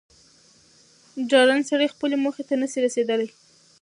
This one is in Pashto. ډارن سړی خپلي موخي ته نه سي رسېدلاي